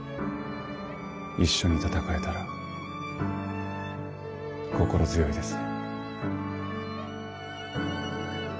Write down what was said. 一緒に戦えたら心強いですね。